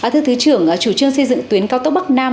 thưa thứ trưởng chủ trương xây dựng tuyến cao tốc bắc nam